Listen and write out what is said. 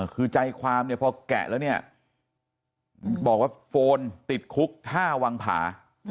คือใจความเนี่ยพอแกะแล้วเนี่ยบอกว่าโฟนติดคุกท่าวังผา